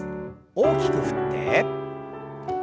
大きく振って。